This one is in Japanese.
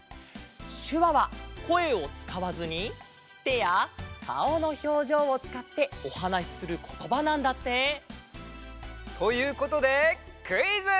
しゅわはこえをつかわずにてやかおのひょうじょうをつかっておはなしすることばなんだって。ということでクイズ！